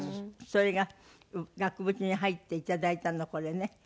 それが額縁に入っていただいたのこれね。